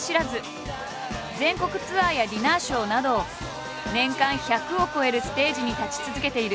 全国ツアーやディナーショーなど年間１００を超えるステージに立ち続けている。